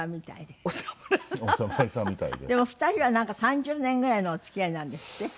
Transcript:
でも２人はなんか３０年ぐらいのお付き合いなんですって？